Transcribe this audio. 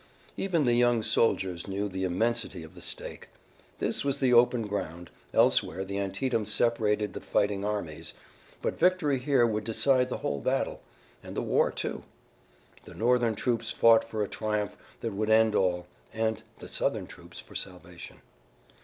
Even the young soldiers knew the immensity of the stake. This was the open ground, elsewhere the Antietam separated the fighting armies. But victory here would decide the whole battle, and the war, too. The Northern troops fought for a triumph that would end all, and the Southern troops for salvation.